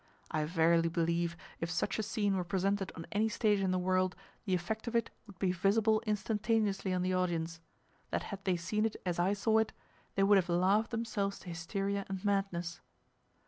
I verily believe if such a scene were presented on any stage in the world the effect of it would be visible instantaneously on the audience; that had they seen it as I saw it, they would have laughed themselves to hysteria and madness.